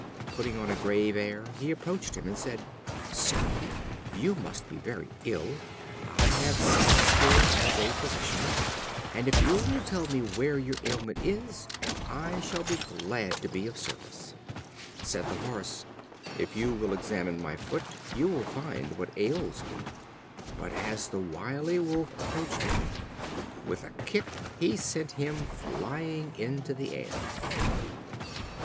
Putting on a grave air, he approached him and said: "Sir, you must be very ill; I have some skill as a physician, and if you will tell me where your ailment is, I shall be glad to be of service." Said the horse: "If you will examine my foot, you will find what ails me." But as the wily Wolf approached him, with a kick he sent him flying into the air.